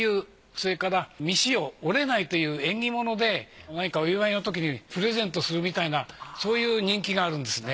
それから未使用折れないという縁起物で何かお祝いのときにプレゼントするみたいなそういう人気があるんですね。